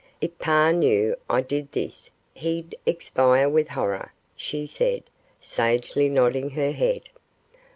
'If pa knew I did this, he'd expire with horror,' she said, sagely nodding her head.